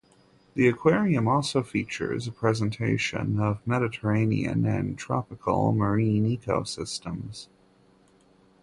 The aquarium also features a presentation of Mediterranean and tropical marine ecosystems.